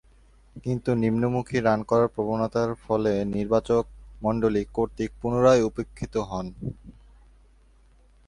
কিন্তু, নিম্নমুখী রান করার প্রবণতার ফলে নির্বাচকমণ্ডলী কর্তৃক পুনরায় উপেক্ষিত হন।